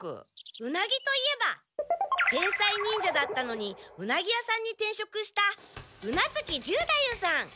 ウナギといえば天才忍者だったのにウナギ屋さんに転しょくした宇奈月十太夫さん。